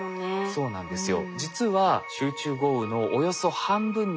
そうなんですよ。